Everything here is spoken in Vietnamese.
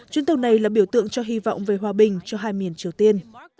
chuyến tàu này là biểu tượng cho hy vọng về hòa bình cho hai miền triều tiên